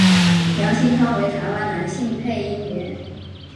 梁兴昌为台湾男性配音员。